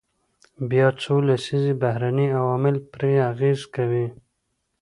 بیا څو لسیزې بهرني عوامل پرې اغیز کوي.